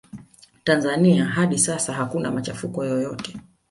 tanzania hadi sasa hakuna machafuko yoyote